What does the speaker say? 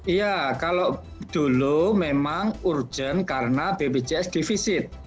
iya kalau dulu memang urgent karena bpjs divisit